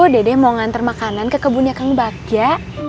dede mau ngantar makanan ke kebunnya kang bagja